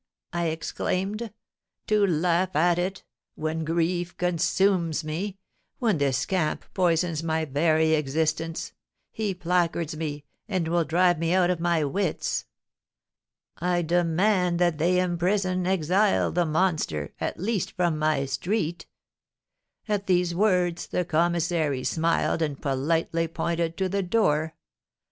I exclaimed, 'to laugh at it, when grief consumes me, when this scamp poisons my very existence; he placards me, and will drive me out of my wits. I demand that they imprison, exile the monster, at least from my street!' At these words the commissary smiled, and politely pointed to the door.